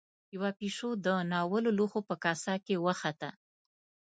يوه پيشو د ناولو لوښو په کاسه کې وخته.